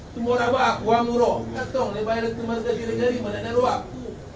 tumorabaku amuro atong lebayat masjid jirigari mada ngaruaku